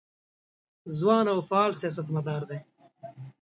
ځوان او فعال سیاستمدار دی.